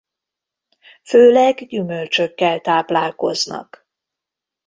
Főleg gyümölcsökkel táplálkoznak.